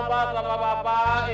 bapak bapak nggak ini